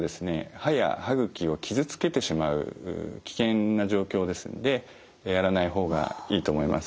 歯や歯ぐきを傷つけてしまう危険な状況ですのでやらない方がいいと思います。